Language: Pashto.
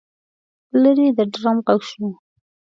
لرې د ډرم غږ شو.